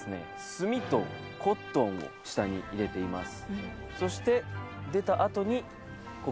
炭とコットンを下に入れています